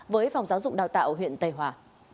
với phòng giáo dục đào tạo huyện tây hòa